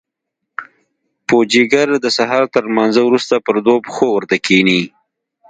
پوجيگر د سهار تر لمانځه وروسته پر دوو پښو ورته کښېني.